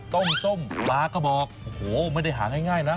ต้มส้มปลากระบอกโอ้โหไม่ได้หาง่ายนะ